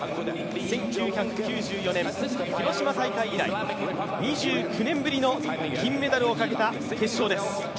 １９９４年、広島大会以来２９年ぶりの金メダルをかけた決勝です。